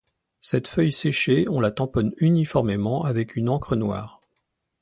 Cette feuille séchée, on la tamponne uniformément avec une encre noire.